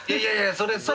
それそれ。